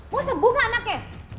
mau sembuh gak anaknya